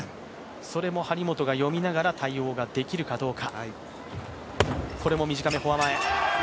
それも張本が読みながら対応ができるかどうか。